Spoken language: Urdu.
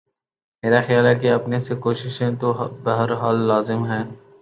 میرا خیال ہے کہ اپنی سی کوشش تو بہر حال لازم ہے۔